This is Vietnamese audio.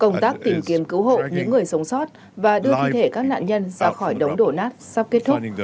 công tác tìm kiếm cứu hộ những người sống sót và đưa thi thể các nạn nhân ra khỏi đống đổ nát sắp kết thúc